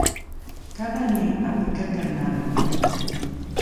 kanani ’apikakanae’o?